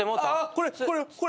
これこれ。